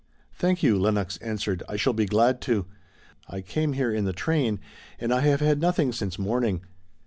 "Thank you," Lenox answered, "I shall be glad to. I came here in the train and I have had nothing since morning.